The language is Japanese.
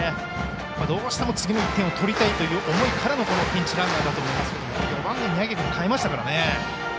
どうしても次の１点を取りたいという思いからのこのピンチランナーだと思いますが４番の宮城君を代えましたからね。